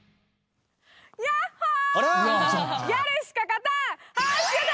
ヤッホー！